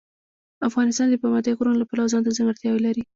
افغانستان د پابندي غرونو له پلوه ځانته ځانګړتیاوې لري.